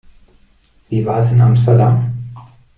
Wie war's in Amsterdam?